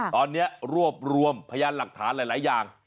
ตอนนี้รวบรวมพยานหลักฐานหลายอย่าง